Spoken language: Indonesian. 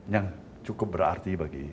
yang cukup berarti bagi